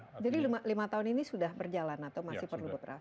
jadi lima tahun ini sudah berjalan atau masih perlu bekeras